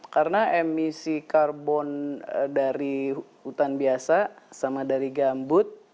karena emisi karbon dari hutan biasa sama dari gambut